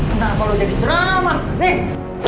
kenapa lo jadi ceramah nih